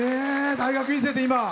大学院生で、今。